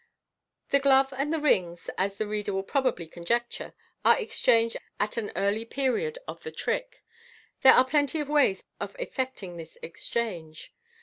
The glove and rings, as the reader will probably conjecture, are exchanged at an early period of the trick. There are plenty of ways of effecting this exchange.